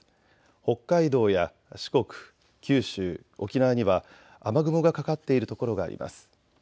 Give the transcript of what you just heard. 北海道や四国、九州、沖縄には雨雲がかかっている所があります。